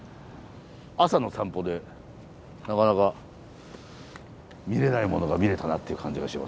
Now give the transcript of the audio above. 朝の散歩でなかなか見れないものが見れたなっていう感じがしますね。